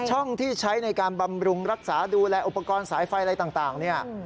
ช่องที่ใช้การปรับบรุงรักษาดูแลอุปกรณ์สายไฟอะไรต่าง